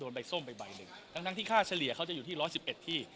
โดนใบส้มใบหนึ่งต่างที่ค่าเฉลี่ยเขาจะอยู่ที่๑๑๑ที่